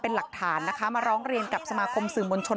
เป็นหลักฐานนะคะมาร้องเรียนกับสมาคมสื่อมวลชน